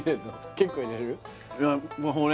結構入れる？